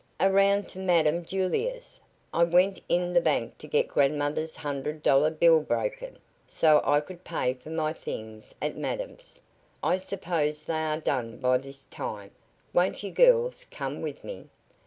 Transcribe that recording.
"Around to Madam Julia's. I went in the bank to get grandmother's hundred dollar bill broken, so I could pay for my things at madam's. I suppose they are done by this time. Won't you girls come with me?"